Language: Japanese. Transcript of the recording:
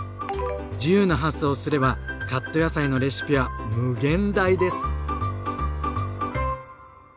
自由な発想をすればカット野菜のレシピは無限大です。